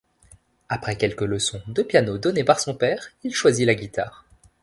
Après quelques leçons de piano données par son père, il choisit la guitare.